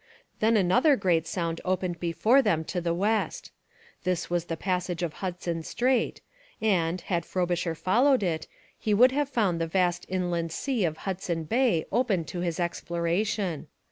Then another great sound opened before them to the west. This was the passage of Hudson Strait, and, had Frobisher followed it, he would have found the vast inland sea of Hudson Bay open to his exploration.